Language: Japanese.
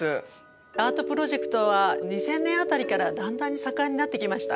アートプロジェクトは２０００年辺りからだんだんに盛んになってきました。